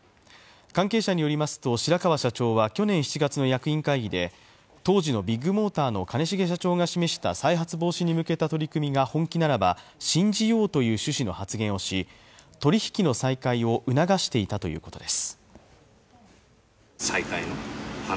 関係者によりますと白川社長は去年７月の役員会議で当時のビッグモーターの兼重社長が示した再発防止に向けた取り組みが本気ならば信じようとの趣旨の発言をし取引の再開を促していたということです。